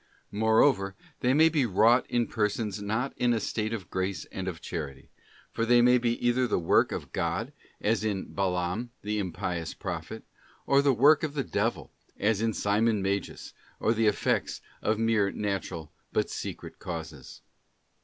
Moreover, they may be wrought in persons not in a state of grace and of charity; for they may be either the work of God, as in Balaam the impious prophet, or the work of the devil, as in Simon Magus, or the effects of mere natural but secret causes.